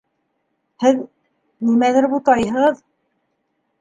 Һеҙ... нимәлер бутайһығыҙ!